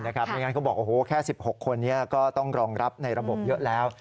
ใช่นะครับเพราะฉะนั้นเขาบอกว่าแค่๑๖คนนี้ก็ต้องรองรับในระบบเยอะแล้ว